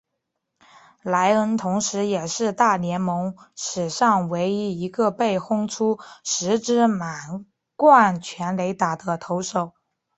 莱恩同时也是大联盟史上唯一一个被轰出十支满贯全垒打的投手。